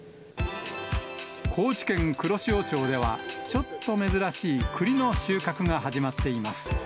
高知県黒潮町では、ちょっと珍しい栗の収穫が始まっています。